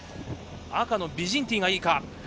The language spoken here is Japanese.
赤のビジンティンがいいか。